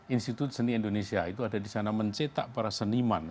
institut seni indonesia itu ada di sana mencetak para seniman